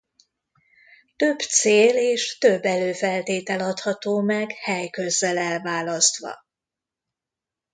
Több cél és több előfeltétel adható meg helyközzel elválasztva.